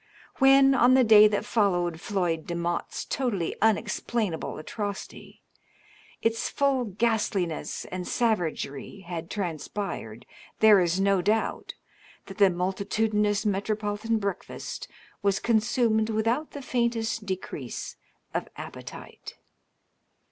When, on the day that followed Floyd De motte's totally unexplainable atrocity, its full ghastliness and savagery had transpired, there is no doubt that the multitudinous metropolitan break&st was consumed without the faintest decrease of appetite.